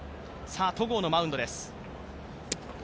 戸郷のマウンドです。